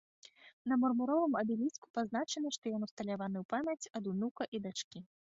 На мармуровым абеліску пазначана, што ён усталяваны ў памяць ад унука і дачкі.